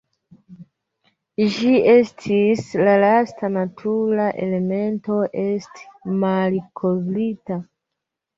Ĝi estis la lasta natura elemento esti malkovrita.